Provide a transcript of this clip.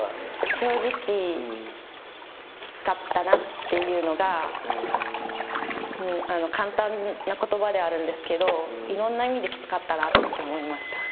正直、きつかったなっていうのが簡単なことばではあるんですけどいろんな意味できつかったなって思いました。